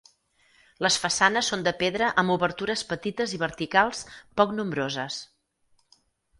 Les façanes són de pedra amb obertures petites i verticals poc nombroses.